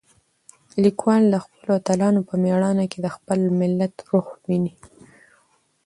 لیکوال د خپلو اتلانو په مېړانه کې د خپل ملت روح وینه.